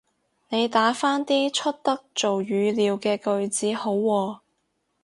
你打返啲出得做語料嘅句子好喎